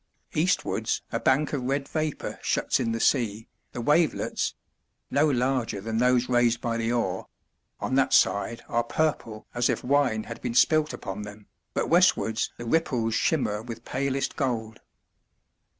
Eastwards a bank of red vapour shuts in the sea, the wavelets no larger than those raised by the oar on that side are purple as if wine had been spilt upon them, but westwards the ripples shimmer with palest gold.